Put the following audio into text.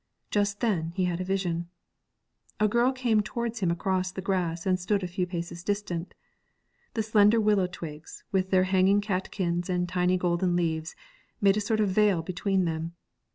Just then he had a vision. A girl came towards him across the grass and stood a few paces distant. The slender willow twigs, with their hanging catkins and tiny golden leaves, made a sort of veil between them.